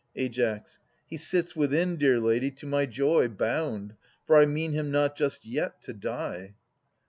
Ai. He sits within, dear lady, to my joy, Bound ; for I mean him not just yet to die.